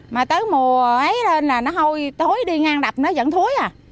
mà tới mùa ấy lên là nó hôi tối đi ngang đập nó vẫn thối à